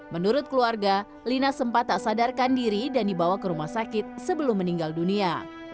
menurut keluarga lina sempat tak sadarkan diri dan dibawa ke rumah sakit sebelum meninggal dunia